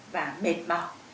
và mệt mỏi